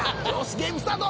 ゲームスタート。